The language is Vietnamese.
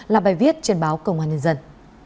là bài viết trên báo công an nhân dân